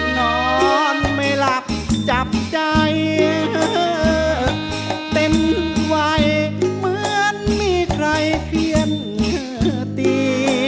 นอนไม่หลับจับใจเต็มวัยเหมือนมีใครเขียนเธอตี